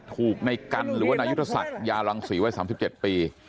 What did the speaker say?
ถูกในกันหรือว่านายุทธศักดิ์ยารังศรีวัย๓๗ปี